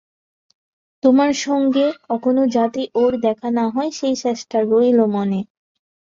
তোমার সঙ্গে কখনো যাতে ওর দেখা না হয় সে চেষ্টা রইল মনে।